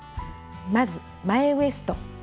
まず前ウエスト。